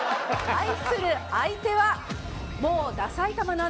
対する相手は。